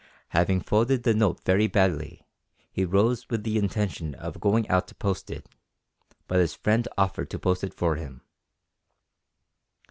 Having folded the note very badly, he rose with the intention of going out to post it, but his friend offered to post it for him.